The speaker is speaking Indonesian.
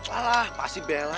alah pasti bella